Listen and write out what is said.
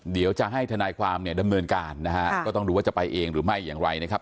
เดี๋ยวจะให้ทนายความเนี่ยดำเนินการนะฮะก็ต้องดูว่าจะไปเองหรือไม่อย่างไรนะครับ